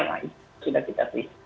nah itu sudah kita pilih